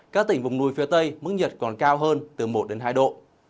các tỉnh vùng núi phía tây mức nhiệt còn cao hơn từ một đến hai độ